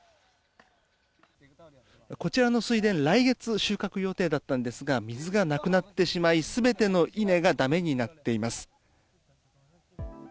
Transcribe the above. こちらの水田来月収穫予定だったんですが水がなくなってしまい全ての稲がだめになっています。